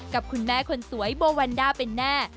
กับคุณแม่คนสวยโบวันด้าเป็นแน่